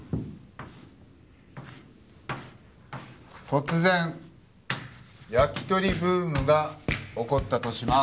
突然焼き鳥ブームが起こったとします。